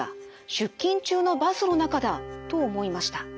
出勤中のバスの中だ」と思いました。